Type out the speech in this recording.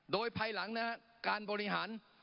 โดยภายหลังนะครับการบริหาร